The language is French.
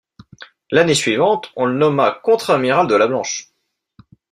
L'année suivante on le nomma contre-amiral de la Blanche.